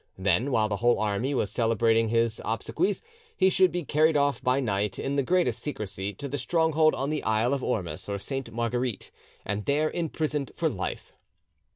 Then, while the whole army was celebrating his obsequies, he should be carried off by night, in the greatest secrecy, to the stronghold on the isle of Ormus (Sainte Marguerite), and there imprisoned for life.